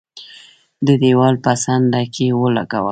د دېوال په څنډه کې ولګاوه.